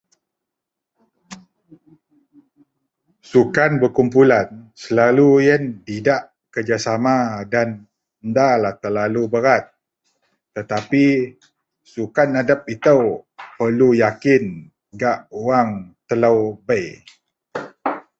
Sukan berkumpulan selalu iyen idak kerjasama dan da lah terlalu berat tetapi sukan adep ito perlu yakin gak wang telo debei.